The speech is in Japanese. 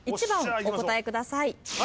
１番をお答えください。